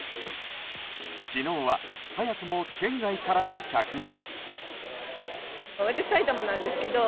昨日は早くも県外からの客が。